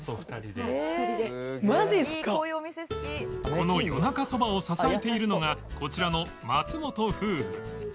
このよなかそばを支えているのがこちらの松本夫婦